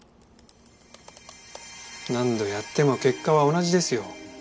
何度やっても結果は同じですよ。